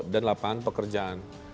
dan lapan pekerjaan